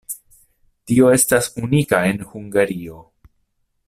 Tio estas unika en Hungario.